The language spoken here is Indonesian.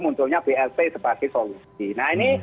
munculnya blt sebagai solusi nah ini